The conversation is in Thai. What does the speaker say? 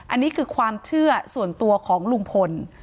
อันนี้คือความเชื่อส่วนตัวของลุงพล